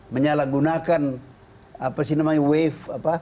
menyalahgunakan apa sih namanya wave